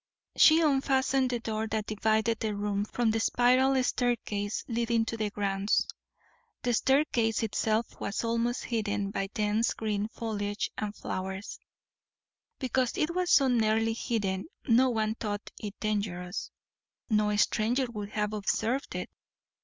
She unfastened the door that divided the room from the spiral staircase leading to the grounds. The staircase itself was almost hidden by dense green foliage and flowers; because it was so nearly hidden no one thought it dangerous; no stranger would have observed it.